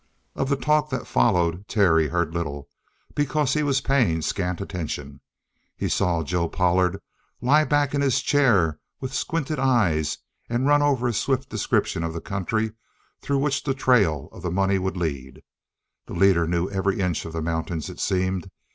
Of the talk that followed, Terry heard little, because he was paying scant attention. He saw Joe Pollard lie back in his chair with squinted eyes and run over a swift description of the country through which the trail of the money would lead. The leader knew every inch of the mountains, it seemed.